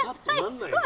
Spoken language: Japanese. すごい！